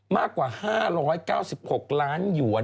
มากกว่า๕๙๖ล้านหยวน